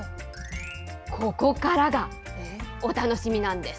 ここからが、お楽しみなんです。